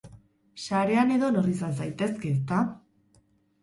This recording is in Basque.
Sarean edonor izan zaitezke, ezta?